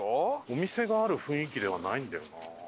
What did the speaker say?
お店がある雰囲気ではないんだよな。